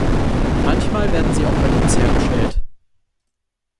Manchmal werden sie auch bei uns hergestellt.